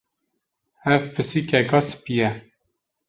Ev pisîkeka spî ye.